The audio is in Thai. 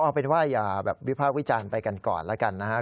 เอาเป็นว่าอย่าแบบวิพากษ์วิจารณ์ไปกันก่อนแล้วกันนะครับ